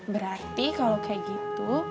berarti kalo kayak gitu